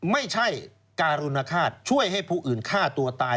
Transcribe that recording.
ไม่ใช่การุณฆาตช่วยให้ผู้อื่นฆ่าตัวตาย